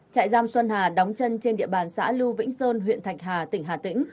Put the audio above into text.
trại giam xuân hà đóng chân trên địa bàn xã lưu vĩnh sơn huyện thạch hà tỉnh hà tĩnh